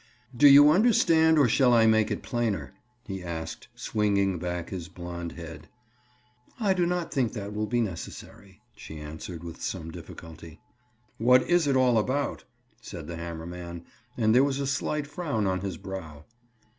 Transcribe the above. "Do you understand or shall I make it plainer?" he asked, swinging back his blond head. "I do not think that will be necessary," she answered with some difficulty. "What is it all about?" said the hammer man, and there was a slight frown on his brow.